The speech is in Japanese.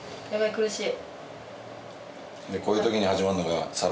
苦しい。